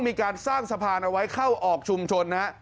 มีการสร้างสะพานเอาไว้เข้าออกชุมชนนะฮะ